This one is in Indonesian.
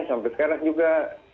sampai sekarang juga